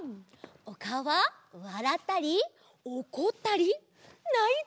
おかおはわらったりおこったりないたり！